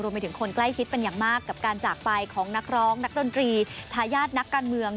เป็นคนใกล้ชิดเป็นอย่างมากกับการจากไปของนักร้องนักดนตรีทายาทนักการเมือง